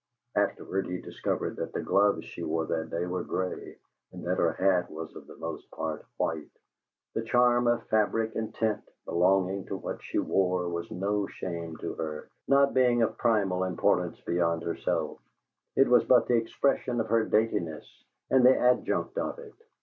(Afterward, he discovered that the gloves she wore that day were gray, and that her hat was for the most part white.) The charm of fabric and tint belonging to what she wore was no shame to her, not being of primal importance beyond herself; it was but the expression of her daintiness and the adjunct of it.